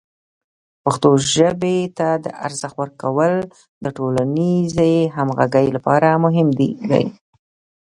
پښتو ژبې ته د ارزښت ورکول د ټولنیزې همغږۍ لپاره مهم دی.